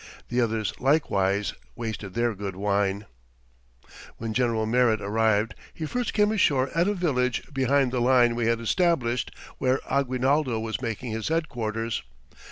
The others likewise wasted their good wine. [Illustration: A GROUP OF FILIPINA LADIES.] "When General Merritt arrived he first came ashore at a village behind the line we had established where Aguinaldo was making his headquarters.